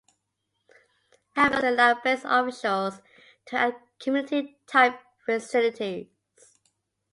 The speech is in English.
However, other funding sources allowed base officials to add community-type facilities.